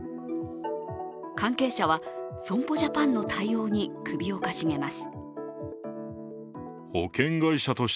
関係者は損保ジャパンの対応に首をかしげます